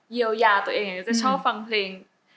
เยียวยาตัวเองจะชอบฟังเพลง